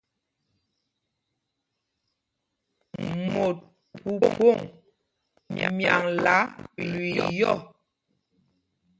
Mot phúphōŋ myaŋla lüii yɔ́.